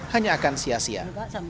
hanya akan sia sia